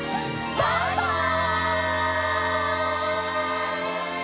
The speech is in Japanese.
バイバイ！